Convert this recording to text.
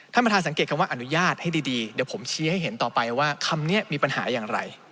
ท่านประธานสังเกตคำว่าอนุญาตให้ดีเดี๋ยวผมชี้ให้เห็นต่อไปว่าคำนี้มีปัญหาอย่างไร